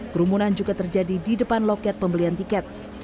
kerumunan juga terjadi di depan loket pembelian tiket